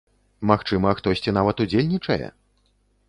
Магчыма, хтосьці нават удзельнічае?